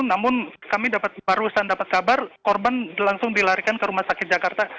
namun kami barusan dapat kabar korban langsung dilarikan ke rumah sakit jakarta